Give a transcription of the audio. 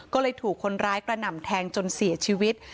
ก็เลยถูกคนร้ายกระหน่ำแทงจนเสียชีวิต